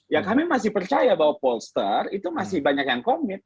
ya kami masih percaya bahwa pollster itu masih banyak yang komit